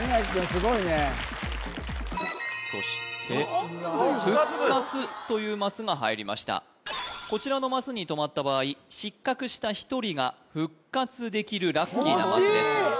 すごいねそして復活というマスが入りましたこちらのマスに止まった場合ラッキーなマスです